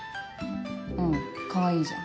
うんかわいいじゃん。